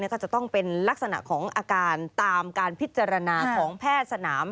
ก็จะต้องเป็นลักษณะของอาการตามการพิจารณาของแพทย์สนาม